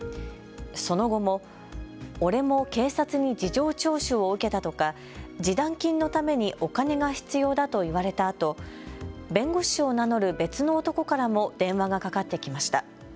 その後も俺も警察に事情聴取を受けたとか示談金のためにお金が必要だと言われたあと弁護士を名乗る別の男からも電話がかかってきました。